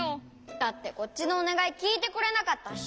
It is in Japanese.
だってこっちのおねがいきいてくれなかったし。